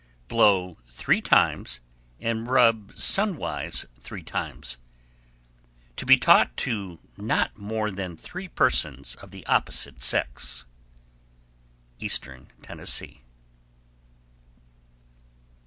Blow three times, and rub sunwise three times. To be taught to not more than three persons of the opposite sex. _Eastern Tennessee.